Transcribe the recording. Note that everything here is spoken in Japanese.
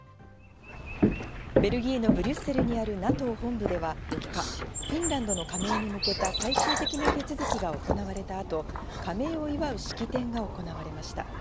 ベルギーのブリュッセルにあるＮＡＴＯ本部では４日、フィンランドの加盟に向けた最終的な手続きが行われたあと加盟を祝う式典が行われました。